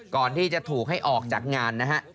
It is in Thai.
ก่อนที่จะถูกให้ออกจากงานนะฮะ